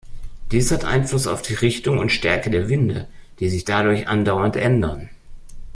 Dies hat Einfluss auf Richtung und Stärke der Winde, die sich dadurch andauernd ändern.